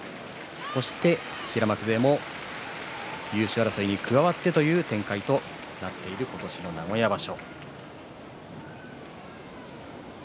そして平幕勢も優勝争いに加わってという展開となっている今年の名古屋場所。